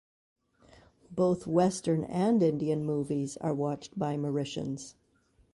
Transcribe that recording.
Both Western and Indian movies are watched by Mauritians.